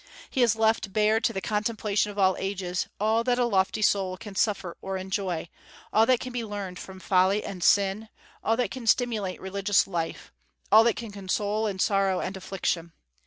He has left bare to the contemplation of all ages all that a lofty soul can suffer or enjoy, all that can be learned from folly and sin, all that can stimulate religious life, all that can console in sorrow and affliction.